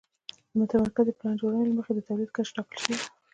د متمرکزې پلان جوړونې له مخې د تولید کچه ټاکل شوې وه